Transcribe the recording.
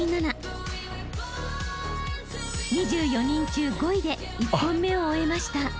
［２４人中５位で１本目を終えました］